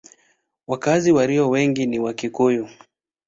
Wakazi walio wengi ni Wakikuyu.